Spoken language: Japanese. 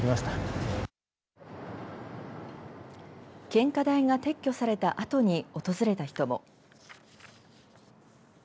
献花台が撤去されたあとに訪れた人も。